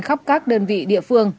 khắp các đơn vị địa phương